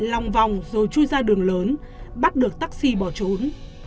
lòng vòng rồi chui ra đường lớn bắt được taxi bỏ trốn